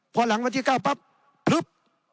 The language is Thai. พอหลังวันที่๙ปั๊บพลึบ